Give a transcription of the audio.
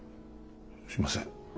すいません。